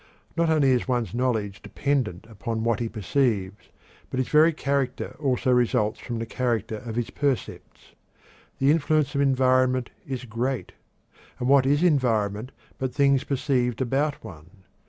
Not only is one's knowledge dependent upon what he perceives, but his very character also results from the character of his percepts. The influence of environment is great and what is environment but things perceived about one?